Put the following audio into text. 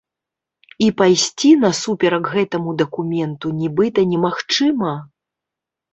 І пайсці насуперак гэтаму дакументу нібыта немагчыма?